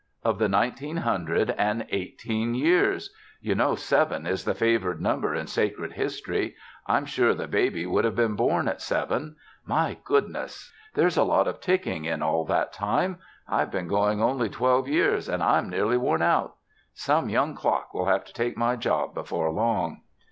"Of the nineteen hundred and eighteen years. You know seven is the favored number in sacred history. I'm sure the baby would have been born at seven. My goodness! There's a lot of ticking in all that time. I've been going only twelve years and I'm nearly worn out. Some young clock will have to take my job before long."